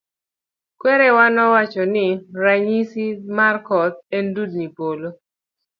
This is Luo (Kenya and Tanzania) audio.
Kwerawa nowacho ni ranyisis mar koth en dudni polo.